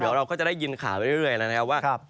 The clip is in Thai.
เดี๋ยวเราก็จะได้ยินข่าวเรื่อยแล้วนะครับว่า